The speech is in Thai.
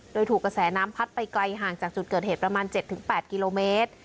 โดยถูกกระแสน้ำพัดไปไกลห่างจากจุดเกิดเหตุประมาณ๗๘กิโลเมตร